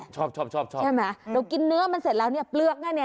ชอบใช่ไหมเดี๋ยวกินเนื้อมันเสร็จแล้วเนี่ยเปลือกแน่